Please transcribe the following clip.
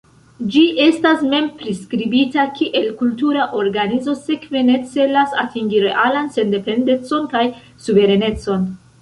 Ĝi estas mem-priskribita kiel kultura organizo, sekve ne celas atingi realan sendependecon kaj suverenecon.